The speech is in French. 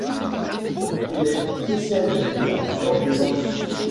Il est spécialiste de la flore des Antilles.